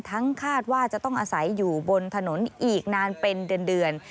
คาดว่าจะต้องอาศัยอยู่บนถนนอีกนานเป็นเดือน